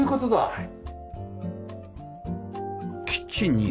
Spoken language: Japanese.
はい。